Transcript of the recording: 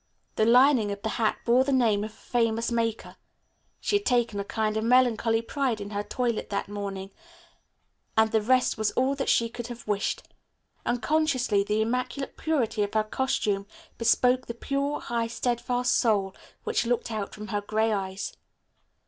The lining of the hat bore the name of a famous maker. She had taken a kind of melancholy pride in her toilet that morning, and the result was all that she could have wished. Unconsciously the immaculate purity of her costume bespoke the pure, high, steadfast soul which looked out from her gray eyes.